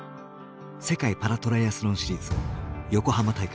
世界パラトライアスロンシリーズ横浜大会。